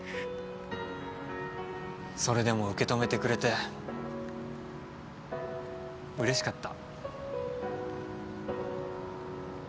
それでも受け止めてくれてうれしかった。